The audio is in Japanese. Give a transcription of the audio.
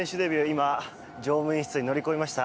今、乗務員室に乗り込みました。